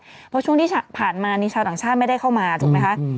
เพราะช่วงที่ผ่านมานี่ชาวต่างชาติไม่ได้เข้ามาถูกไหมคะ